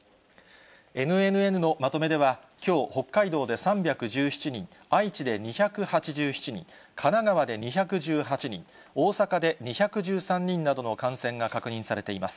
ＮＮＮのまとめでは、きょう、北海道で３１７人、愛知で２８７人、神奈川で２１８人、大阪で２１３人などの感染が確認されています。